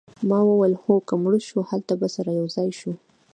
ما وویل هو که مړه شوو هلته به سره یوځای شو